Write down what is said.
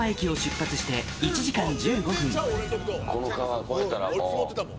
この川越えたら、もう。